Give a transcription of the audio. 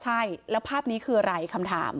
ใช่แล้วภาพนี้คืออะไรคำถาม